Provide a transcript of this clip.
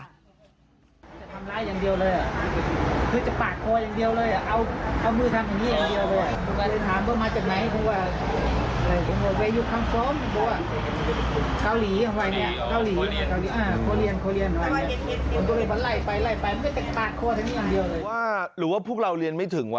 หรือว่าพวกเราเรียนไม่ถึงว่